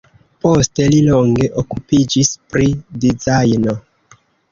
Poste li longe okupiĝis pri dizajno.